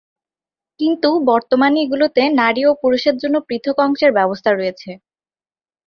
কিন্তু বর্তমানে এগুলোতে নারী ও পুরুষের জন্য পৃথক অংশের ব্যবস্থা রয়েছে।